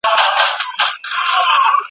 او نورو په درجه ورته قایل دي.